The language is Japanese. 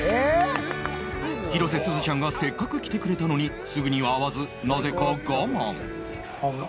広瀬すずちゃんがせっかく来てくれたのにすぐには会わずなぜか我慢